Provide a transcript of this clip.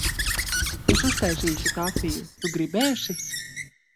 Es uztaisīšu kafiju. Tu gribēsi?